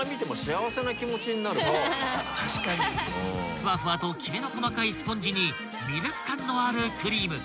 ［ふわふわときめの細かいスポンジにミルク感のあるクリーム］